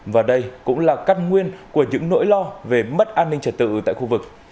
và đây cũng là cắt nguyên của những nỗi lo về mất an ninh trật tự tại khu vực